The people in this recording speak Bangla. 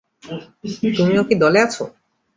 তুমিও কি দলে আছো?